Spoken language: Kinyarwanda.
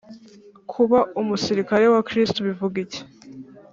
kuba umusirikare wa kristu bivuga iki?